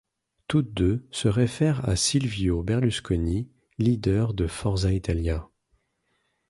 Toutes deux se réfèrent à Silvio Berlusconi, leader de Forza Italia.